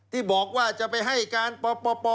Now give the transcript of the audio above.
ที่บอกว่าจะไปให้การปป